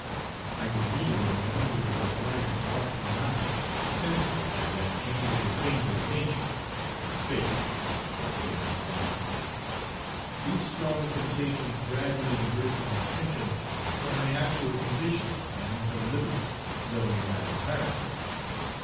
I could read it in the language of her bright and sparkling eye, penciled by the unchangable finger of nature, that spake but could not lie. These strong temptations gradually diverted my attention from my actual condition and from liberty, though not entirely.